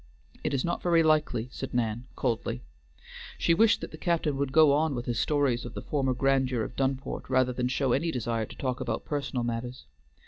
"It is not very likely," said Nan coldly. She wished that the captain would go on with his stories of the former grandeur of Dunport, rather than show any desire to talk about personal matters.